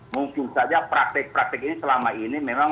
mungkin saja praktik praktik ini selama ini memang